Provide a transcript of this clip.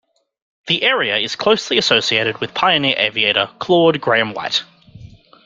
The area is closely associated with pioneer aviator Claude Grahame-White.